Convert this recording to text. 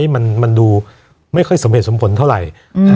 มันดูไม่ค่อยสมเหตุสมผลเท่าไหร่